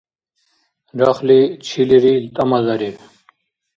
Рахли чилирил тӀамадариб: